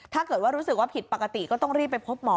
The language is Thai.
ถ้าเกิดว่ารู้สึกว่าผิดปกติก็ต้องรีบไปพบหมอ